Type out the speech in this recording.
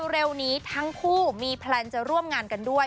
เร็วนี้ทั้งคู่มีแพลนจะร่วมงานกันด้วย